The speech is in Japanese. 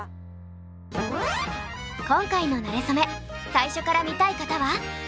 今回の「なれそめ」最初から見たい方は。